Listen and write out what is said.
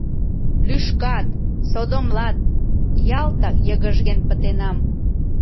Лӱшкат, содомлат — ялтак йыгыжген пытенам.